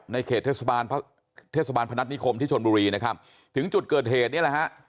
เขตเทศบาลเทศบาลพนัฐนิคมที่ชนบุรีนะครับถึงจุดเกิดเหตุนี่แหละฮะ